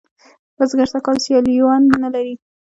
بزگر سږ کال سیاليوان نه لري.